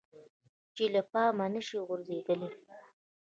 چې له پامه نشي غورځیدلی.